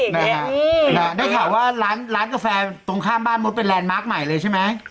ได้ข่าวว่าร้านกาแฟตรงข้ามบ้านมดเป็นแลนดมาร์คใหม่เลยใช่ไหม